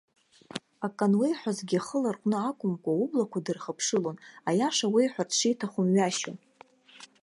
Акы ануеиҳәозгьы ихы ларҟәны акәымкәа, ублақәа дырхыԥшылон, аиаша уеиҳәарц шиҭаху мҩашьо.